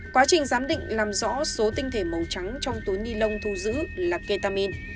quá trình giám định làm rõ số tinh thể màu trắng trong túi ni lông thu giữ là ketamin